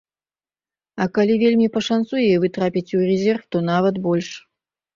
А калі вельмі пашанцуе і вы трапіце ў рэзерв, то нават больш.